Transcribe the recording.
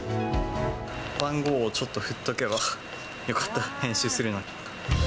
番号をちょっと振っとけばよかった、編集するのに。